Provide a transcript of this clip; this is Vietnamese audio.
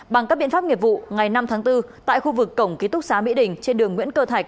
bằng các biện pháp nghiệp vụ ngày năm tháng bốn tại khu vực cổng ký túc xá mỹ đình trên đường nguyễn cơ thạch